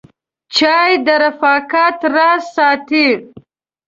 چای د رفاقت راز ساتي.